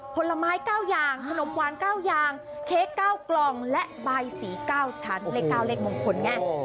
ผลไม้๙อย่างขนมหวาน๙อย่างเค้ก๙กล่องและใบสี๙ชั้นเลข๙เลขมงคลไง